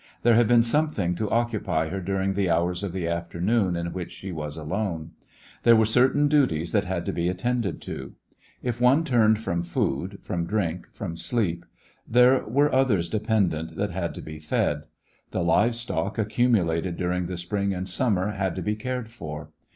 There had been something to occupy her during the hours of the afternoon in which she was alone. There were certain duties that had to be attended to. If one turned from food, from drink, from sleep, there were others dependent that had to be fed. The livestock accumulated during the spring and summer had to be cared for.